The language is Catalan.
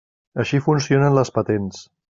Així funcionen les patents.